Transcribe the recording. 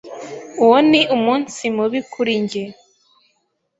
Uwo ni umunsi mubi kuri njye.